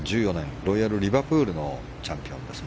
ロイヤルリバプールのチャンピオンです。